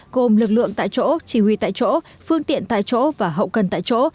gồm lực lượng tại chỗ chỉ huy tại chỗ phương tiện tại chỗ và hậu cần tại chỗ